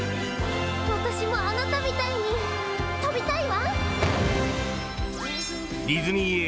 「私もあなたみたいに飛びたいわ！」